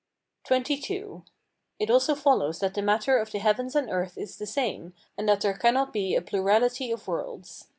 XXII. It also follows that the matter of the heavens and earth is the same, and that there cannot be a plurality of worlds.